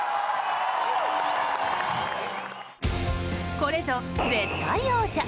これぞ絶対王者。